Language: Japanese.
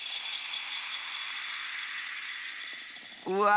うわ！